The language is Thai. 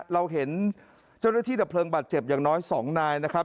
เราเห็นเจ้าหน้าที่ดับเพลิงบาดเจ็บอย่างน้อย๒นายนะครับ